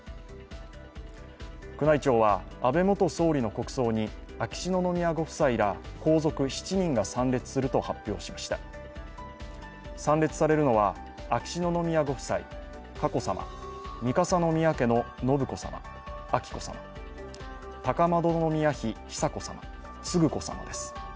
宮内庁は安倍元総理の国葬に秋篠宮ご夫妻ら皇族７人が参列すると発表しました参列されるのは秋篠宮ご夫妻佳子さま、三笠宮家の信子さま彬子さま、高円宮妃久子さま、承子さまです。